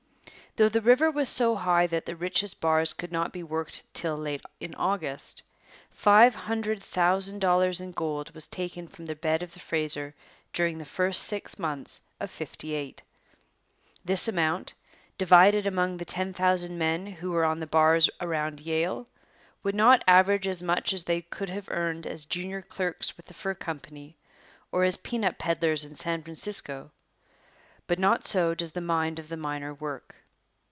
Though the river was so high that the richest bars could not be worked till late in August, five hundred thousand dollars in gold was taken from the bed of the Fraser during the first six months of '58. This amount, divided among the ten thousand men who were on the bars around Yale, would not average as much as they could have earned as junior clerks with the fur company, or as peanut pedlars in San Francisco; but not so does the mind of the miner work.